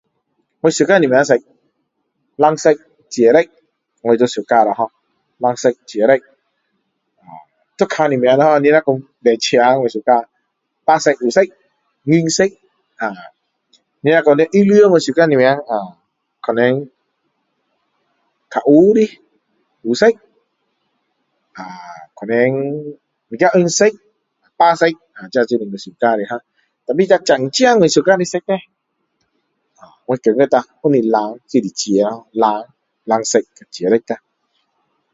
我喜欢什么色蓝色紫色咯ho蓝色紫色我都喜欢啊要看哦你若说买车我喜欢白色黑色银色你若说衣服我喜欢什么啊可能较黑的黑色啊可能有点红色白色啊可能这是我喜欢的ho可是这真正我喜欢的色叻我觉得啦不是蓝就是紫咯不是蓝色紫色啦